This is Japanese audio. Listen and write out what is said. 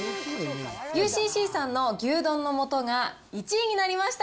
ＵＣＣさんの牛丼の素が１位になりました。